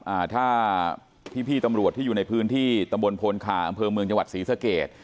อ่าถ้าพี่พี่ตำรวจที่อยู่ในพื้นที่ตำบลโพนคาอำเภอเมืองจังหวัดศรีสเกต